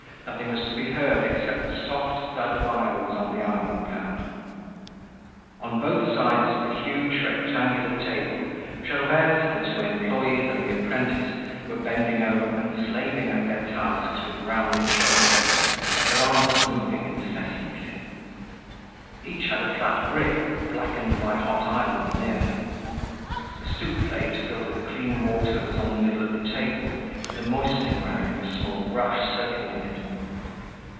Nothing was to be heard except the soft thud of irons on the ironing pad. On both sides of the huge rectangular table Gervaise, her two employees, and the apprentice were bending over, slaving at their tasks with rounded shoulders, their arms moving incessantly. Each had a flat brick blackened by hot irons near her. A soup plate filled with clean water was on the middle of the table with a moistening rag and a small brush soaking in it.